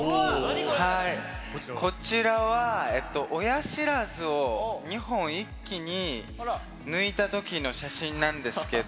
こちらは、親知らずを２本、一気に抜いたときの写真なんですけど。